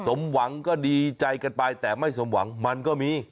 สมหวังก็ดีใจกันไปแต่ไม่สมหวังมันก็มี